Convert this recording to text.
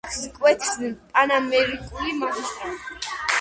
ქალაქს კვეთს პანამერიკული მაგისტრალი.